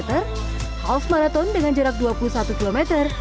half marathon dengan jarak dua puluh satu km